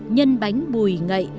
nhân bánh bùi ngậy